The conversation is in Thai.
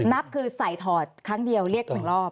นับคือใส่ถอดครั้งเดียวเรียก๑รอบ